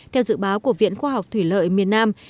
theo dự báo của viện khoa học thủy lợi miền nam